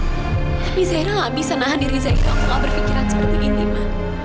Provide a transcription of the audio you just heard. tapi zairah gak bisa nahan diri zairah kalau gak berpikiran seperti ini ma